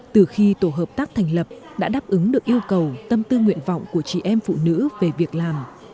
từ khi tổ hợp tác thành lập đã đáp ứng được yêu cầu tâm tư nguyện vọng của chị em phụ nữ về việc làm